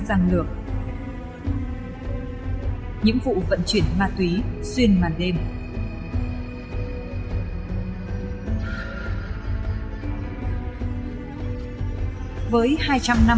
giang lược nhiễm vụ vận chuyển ma túy xuyên màn đêm với hai trăm năm mươi km đường biên giới tiếp giáp với nước vạn lào